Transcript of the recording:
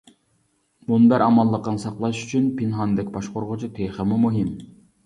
مۇنبەر ئامانلىقىنى ساقلاش ئۈچۈن پىنھاندەك باشقۇرغۇچى تېخىمۇ مۇھىم.